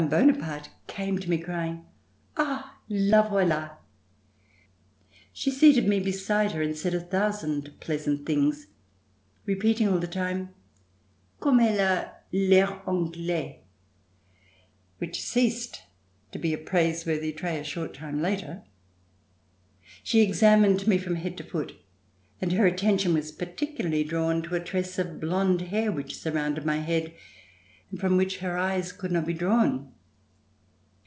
Bonaparte came to me crying: Ah! la voila!" She seated me beside her and said a thousand pleasant things, repeating all the time: "Comme elle a I'air anglais!" which ceased to be a praiseworthy trait a short time later. She examined me from head to foot and her attention was particu larly drawn to a tress of blond hair which surrounded my head and from which her eyes could not be drawn.